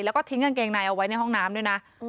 แล้วก็ทิ้งกางเกงในเอาไว้ในห้องน้ำด้วยนะ